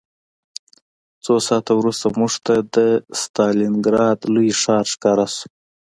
څو ساعته وروسته موږ ته د ستالینګراډ لوی ښار ښکاره شو